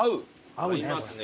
合いますね。